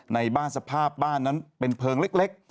ในบ้านสภาพบ้านนั้นเป็นเพลิงเล็ก